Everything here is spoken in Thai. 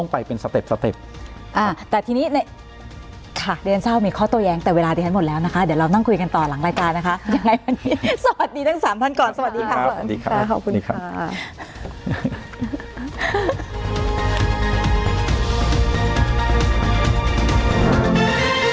กันต่อหลังรายการนะคะอย่างไรวันนี้สวัสดีทั้ง๓ท่านก่อนสวัสดีครับสวัสดีครับขอบคุณค่ะ